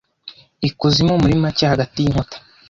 Ikuzimu muri make hagati yinkuta